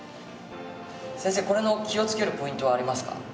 先生これの気をつけるポイントはありますか？